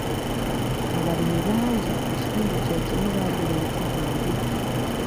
Abalimi bangi mu kitundu kye kimu baagula ensigo embi.